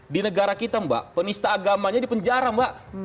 di negara kita mbak penista agamanya di penjara mbak